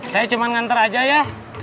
saya cuma nganter aja ya